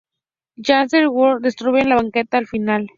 Xander y Spike destruyen la chaqueta al final.